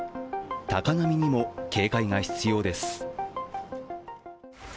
高波にも警戒が必要です。